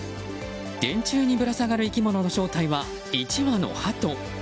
電柱にぶら下がる生き物の正体は１羽のハト。